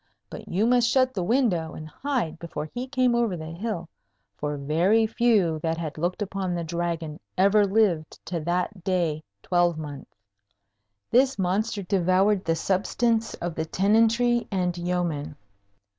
But you must shut the window and hide before he came over the hill; for very few that had looked upon the Dragon ever lived to that day twelvemonth. This monster devoured the substance of the tenantry and yeomen.